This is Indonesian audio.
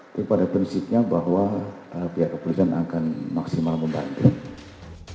itu pada prinsipnya bahwa pihak keputusan akan maksimal membandingi